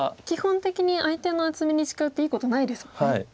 基本的に相手の厚みに近寄っていいことないですもんね。